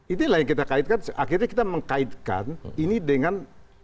itulah yang kita kaitkan akhirnya kita mengkaitkan ini dengan